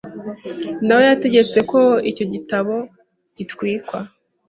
nawe yategetse ko icyo gitabo gitwikwa